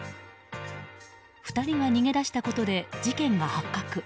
２人が逃げ出したことで事件が発覚。